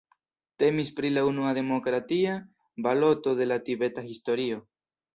Temis pri la unua demokratia baloto de la tibeta historio.